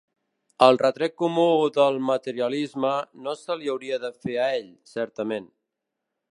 El retret comú del materialisme no se li hauria de fer a ell, certament.